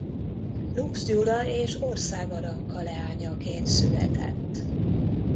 Lux Gyula és Országh Aranka leányaként született.